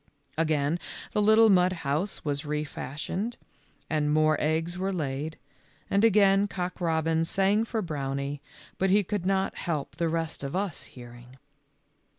Again the little mud house was re fashioned and more eggs were laid, and again Cock robin sang for Brownie, but he could not help the rest of us hearing.